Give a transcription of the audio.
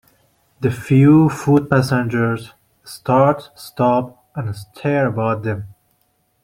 The few foot-passengers start, stop, and stare about them.